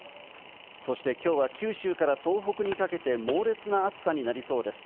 そして、きょうは九州から東北にかけて猛烈な暑さになりそうです。